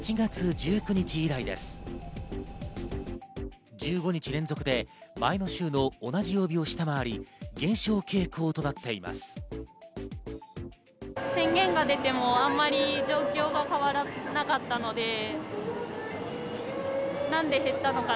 １５日連続で前の週の同じ曜日を下回り、減少傾向となっています。